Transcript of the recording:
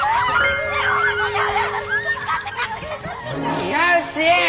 宮内！